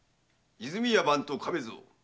和泉屋番頭・亀蔵。